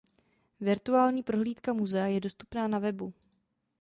Virtuální prohlídka muzea je dostupná na webu.